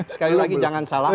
sekali lagi jangan salah